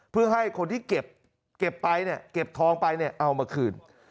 เพื่อให้คนที่เก็บไปเนี่ยเก็บทองไปเนี่ยเอามาคืน